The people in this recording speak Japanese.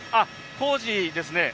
工事ですね。